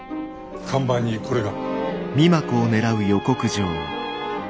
看板にこれが。